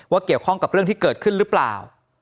เกี่ยวข้องกับเรื่องที่เกิดขึ้นหรือเปล่า